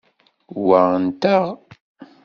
Wa nteɣ.